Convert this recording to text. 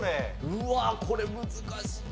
うわこれ難しい。